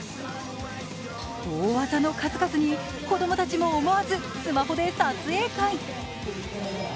大技の数々に子供たちも思わずスマホで撮影会。